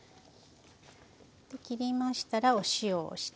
切りましたらお塩をして。